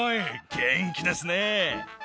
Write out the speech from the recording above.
元気ですね。